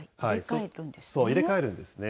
そう、入れ替えるんですね。